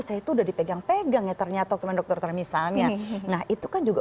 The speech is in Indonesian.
saya itu udah dipegang pegang ya ternyata teman dokter misalnya nah itu kan juga